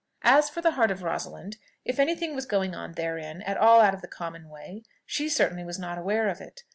As for the heart of Rosalind, if any thing was going on therein at all out of the common way, she certainly was not aware of it.